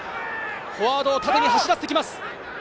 フォワードを縦に走らせてきます。